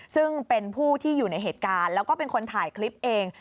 ซึ่งเป็นผู้ที่อยู่ในเหตุการณ์แล้วก็เป็นคนถ่ายคลิปเอง